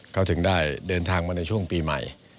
เขาถึงได้เดินทางมาในช่วงปีใหม่